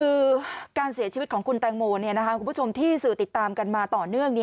คือการเสียชีวิตของคุณแตงโมคุณผู้ชมที่สื่อติดตามกันมาต่อเนื่อง